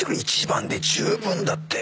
１番で十分だって